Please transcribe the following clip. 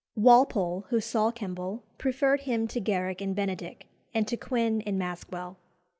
Walpole, who saw Kemble, preferred him to Garrick in Benedick, and to Quin in Maskwell.